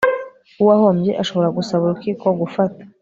w uwahombye ashobora gusaba urukiko gufata